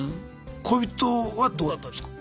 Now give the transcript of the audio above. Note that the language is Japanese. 恋人はどうだったんすか？